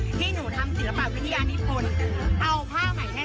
ที่พาหนู๓คนมาประกวดเดินทางมาจากกรุงเทพไม่มีใครส่งเลย